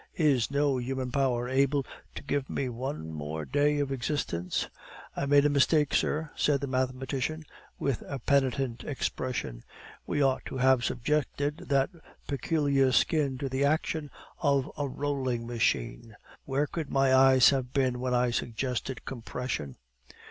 "Is no human power able to give me one more day of existence?" "I made a mistake, sir," said the mathematician, with a penitent expression; "we ought to have subjected that peculiar skin to the action of a rolling machine. Where could my eyes have been when I suggested compression!"